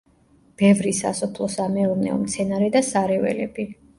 ბევრი სასოფლო-სამეურნეო მცენარე და სარეველები.